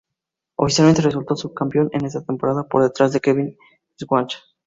Oficialmente resultó subcampeón en esa temporada, por detrás de Kevin Schwantz.